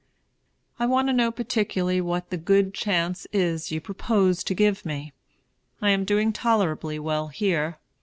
I want to know particularly what the good chance is you propose to give me. I am doing tolerably well here.